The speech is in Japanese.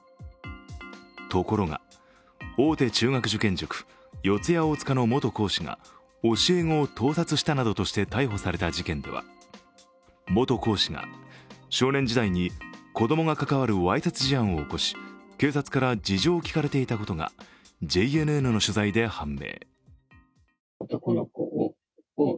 ところが大手中学受験塾、四谷大塚の元講師が教え子を盗撮したなどとして逮捕された事件では、元講師が少年時代に子供が関わるわいせつ事案を起こし警察から事情を聴かれていたことがＪＮＮの取材で判明。